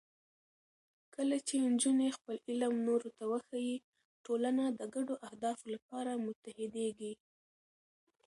کله چې نجونې خپل علم نورو ته وښيي، ټولنه د ګډو اهدافو لپاره متحدېږي.